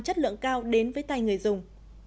chất lượng cao đến với tay người dùng